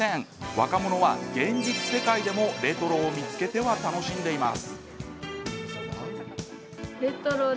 若者は現実世界でもレトロを見つけては楽しんでいます。